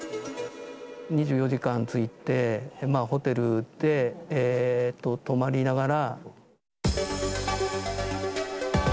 ２４時間ついて、ホテルで泊まりながら。